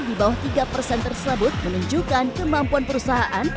di bawah tiga persen tersebut menunjukkan kemampuan perusahaan